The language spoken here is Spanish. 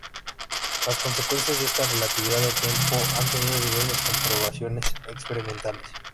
Las consecuencias de esta relatividad del tiempo han tenido diversas comprobaciones experimentales.